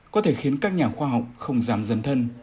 có thể khiến các nhà khoa học không dám dấn thân